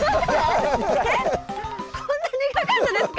こんな苦かったですか？